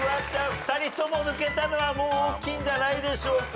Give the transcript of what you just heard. ２人とも抜けたのは大きいんじゃないでしょうか。